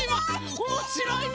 おもしろいね。